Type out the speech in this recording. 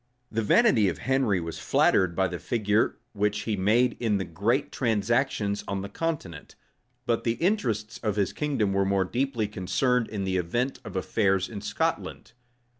The vanity of Henry was flattered by the figure which he made in the great transactions on the continent; but the interests of his kingdom were more deeply concerned in the event of affairs in Scotland.